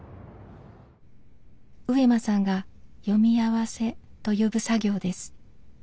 上間さんが「読み合わせ」と呼ぶ作業です。